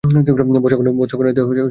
বৎসগণ, এতে অনেক কাজ হবে।